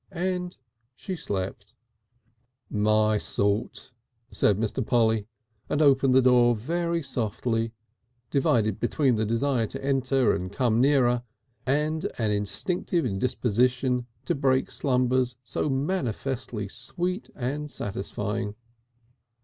And she slept. "My sort," said Mr. Polly, and opened the door very softly, divided between the desire to enter and come nearer and an instinctive indisposition to break slumbers so manifestly sweet and satisfying.